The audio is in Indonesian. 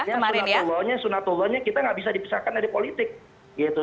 karena kita kondrasi sunatullahnya sunatullahnya kita nggak bisa dipisahkan dari politik gitu